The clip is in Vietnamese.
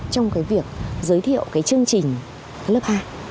trong việc giới thiệu chương trình lớp hai